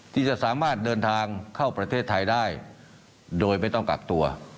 ที่จะสามารถเดินทางเข้าประเทศไทยได้โดยไม่ต้องกักตัว